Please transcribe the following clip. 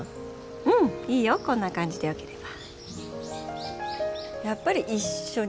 うんいいよこんな感じでよければ。